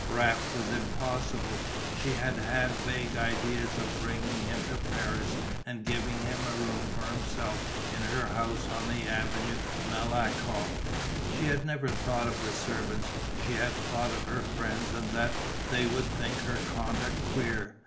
Raft was impossible. She had had vague ideas of bringing him to Paris and giving him a room for himself in her house on the Avenue Malakoff. She had never thought of the servants, she had thought of her friends and that they would think her conduct queer.